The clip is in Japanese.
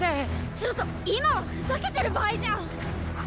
ちょっと今はふざけてる場合じゃっ！